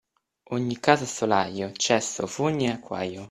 Ogni casa ha solaio, cesso, fogna e acquaio.